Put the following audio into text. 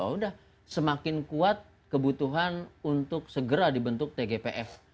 oh udah semakin kuat kebutuhan untuk segera dibentuk tgpf